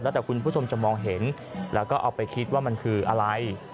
แล้วแต่คุณผู้ชมจะมองเห็นแล้วก็เอาไปคิดว่ามันคืออะไร